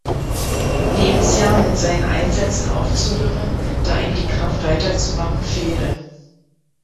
Lebensjahr mit seinen Einsätzen aufzuhören, da ihm die Kraft weiterzumachen fehle.